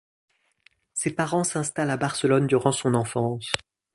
Ses parents s'installent à Barcelone durant son enfance.